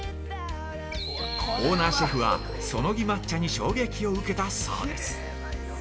オーナーシェフは、そのぎ抹茶に衝撃を受けたそうです。